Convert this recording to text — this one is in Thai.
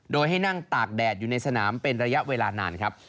โดยให้นั่งตากแดดอยู่ในสนามเป็นระยะเวลานานครับ